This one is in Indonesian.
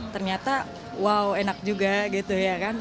ternyata wow enak juga gitu ya kan